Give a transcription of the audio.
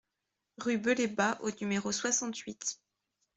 Rue Belébat au numéro soixante-huit